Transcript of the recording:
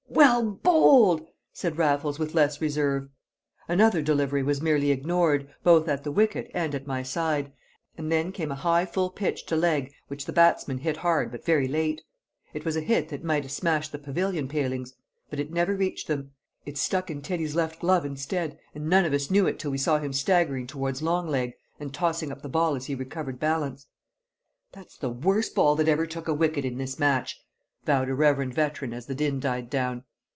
"Well bowled!" said Raffles with less reserve. Another delivery was merely ignored, both at the wicket and at my side, and then came a high full pitch to leg which the batsman hit hard but very late. It was a hit that might have smashed the pavilion palings. But it never reached them; it stuck in Teddy's left glove instead, and none of us knew it till we saw him staggering towards long leg, and tossing up the ball as he recovered balance. "That's the worst ball that ever took a wicket in this match!" vowed a reverend veteran as the din died down.